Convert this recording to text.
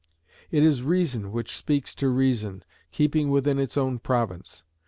It is reason which speaks to reason, keeping within its own province.